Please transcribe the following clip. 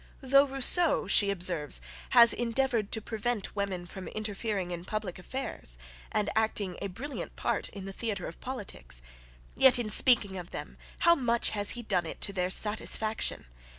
"Though Rousseau," she observes, "has endeavoured to prevent women from interfering in public affairs, and acting a brilliant part in the theatre of politics; yet, in speaking of them, how much has he done it to their satisfaction!